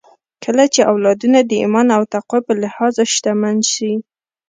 کله چې اولادونه د ايمان او تقوی په لحاظ شتمن سي